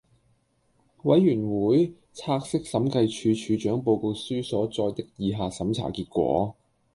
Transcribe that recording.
委員會察悉審計署署長報告書所載的以下審查結果